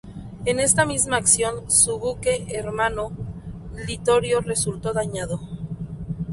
En esta misma acción, su buque hermano "Littorio" resultó dañado.